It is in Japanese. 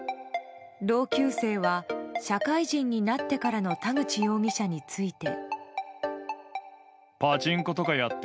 同級生は社会人になってからの田口容疑者について。